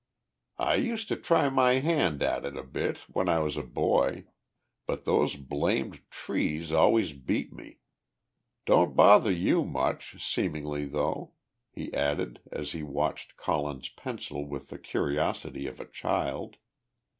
"I used to try my hand at it a bit when I was a boy, but those blamed trees always beat me ... don't bother you much, seemingly though," he added, as he watched Colin's pencil with the curiosity of a child.